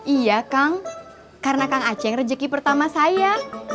iya kang karena kang aceh rezeki pertama saya